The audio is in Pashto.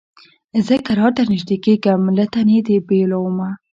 زه کرار درنیژدې کېږم له تنې دي بېلومه